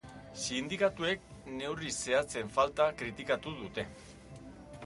Sindikatuek neurri zehatzen falta kritikatu dute.